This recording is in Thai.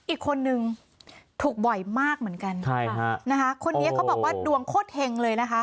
อีกคนนึงถูกบ่อยมากเหมือนกันใช่ฮะนะคะคนนี้เขาบอกว่าดวงโคตรเฮงเลยนะคะ